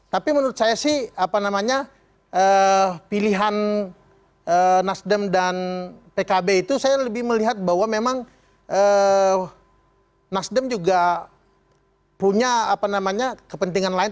tapi menurut saya sih pilihan nasdem dan pkb itu saya lebih melihat bahwa memang nasdem juga punya kepentingan lain